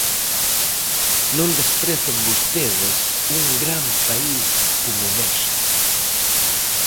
Non desprecen vostedes un gran país como México.